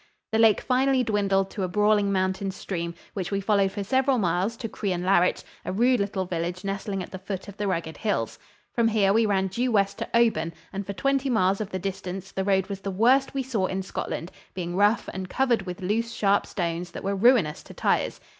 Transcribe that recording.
The lake finally dwindled to a brawling mountain stream, which we followed for several miles to Crianlarich, a rude little village nestling at the foot of the rugged hills. From here we ran due west to Oban, and for twenty miles of the distance the road was the worst we saw in Scotland, being rough and covered with loose, sharp stones that were ruinous to tires.